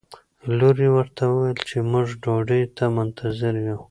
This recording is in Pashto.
لور یې ورته وویل چې موږ ډوډۍ ته منتظره یو.